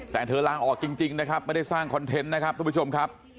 แต่เธอลาออกจริงนะครับไม่ได้สร้างคอนเทนต์นะครับทุกผู้ชมครับ